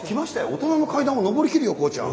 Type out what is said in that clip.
大人の階段を上りきるよ孝ちゃん。